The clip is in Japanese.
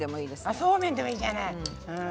あそうめんでもいいじゃない。